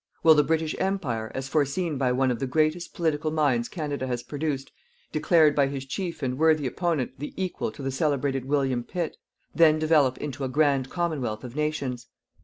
Will the British Empire, as foreseen by one of the greatest political minds Canada has produced, declared by his chief and worthy opponent the equal to the celebrated William Pitt, then develop into a grand Commonwealth of nations.